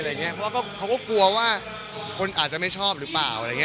เพราะเขาก็กลัวว่าคนอาจจะไม่ชอบหรือเปล่า